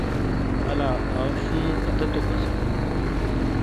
اَلا آؤ شُوں کَتیتوک اَسِیلو؟